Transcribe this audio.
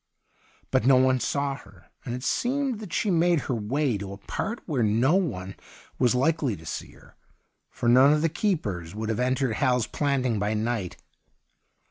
But no one saw her, and it seemed that she had made her way to a part where no one was likely to see her ; for none of the keepers would have entered Hal's Planting by night.